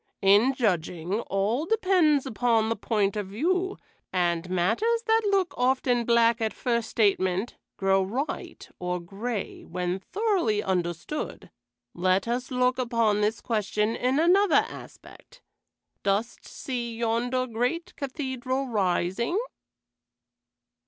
In judging, all depends upon the point of view, and matters that look often black at first statement grow white or gray when thoroughly understood. Let us look upon this question in another aspect. Dost see yonder great cathedral rising?"